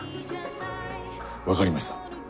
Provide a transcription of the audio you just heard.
分かりました。